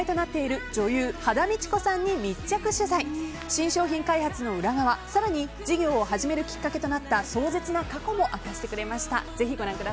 新商品開発の裏側、更に事業を始めるきっかけとなった壮絶な過去も明かしてくれました。